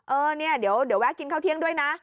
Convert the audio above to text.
เออเนี่ยเดี๋ยวแวะกินข้าวเที่ยงด้วยนะ